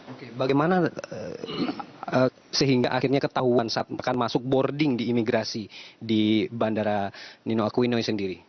oke bagaimana sehingga akhirnya ketahuan saat akan masuk boarding di imigrasi di bandara nino aquino sendiri